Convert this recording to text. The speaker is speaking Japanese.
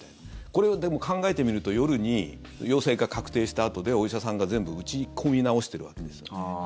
これ、でも考えてみると夜に陽性が確定したあとでお医者さんが全部打ち込み直しているわけですね。